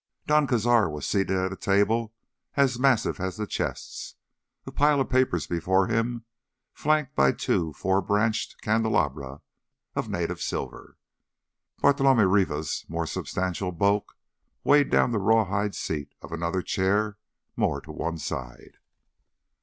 Don Cazar was seated at a table as massive as the chests, a pile of papers before him flanked by two four branch candelabra of native silver. Bartolomé Rivas' more substantial bulk weighed down the rawhide seat of another chair more to one side.